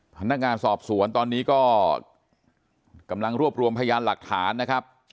พนักงานสอบสวนตอนนี้ก็กำลังรวบรวมพยานหลักฐานนะครับ